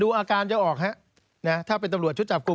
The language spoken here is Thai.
อาการจะออกฮะนะถ้าเป็นตำรวจชุดจับกลุ่ม